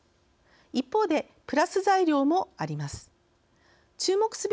一方で、プラス材料もあります。